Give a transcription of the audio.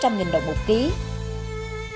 trà mảng cầu có hương vị rất riêng